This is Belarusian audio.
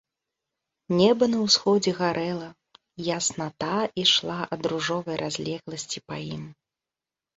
Неба на ўсходзе гарэла, ясната ішла ад ружовай разлегласці па ім.